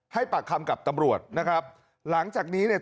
ปากคำกับตำรวจนะครับหลังจากนี้เนี่ย